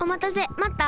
まった？